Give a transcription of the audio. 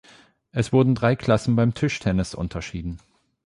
Es wurden drei Klassen beim Tischtennis unterschieden.